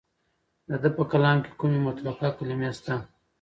د ده په کلام کې کومې متروکې کلمې شته؟